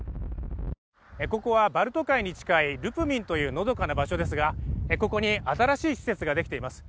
ここはバルト海に近いルプミンという、のどかな場所ですが、ここに新しい施設ができています。